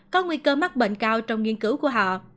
có nguy cơ mắc bệnh cao trong nghiên cứu của họ